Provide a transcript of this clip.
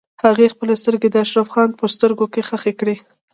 هغې خپلې سترګې د اشرف خان په سترګو کې ښخې کړې.